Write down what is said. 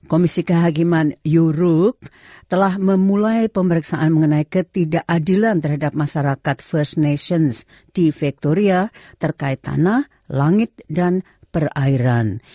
komisi kehakiman eurook telah memulai pemeriksaan mengenai ketidakadilan terhadap masyarakat first nations di victoria terkait tanah langit dan perairan